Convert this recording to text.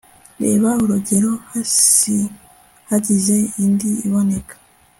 Reba urugero hasiHagize indi iboneka